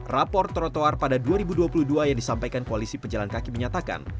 rapor trotoar pada dua ribu dua puluh dua yang disampaikan koalisi pejalan kaki menyatakan